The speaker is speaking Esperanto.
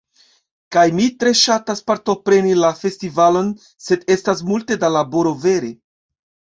Kaj mi tre ŝatas partopreni la festivalon sed estas multe da laboro vere.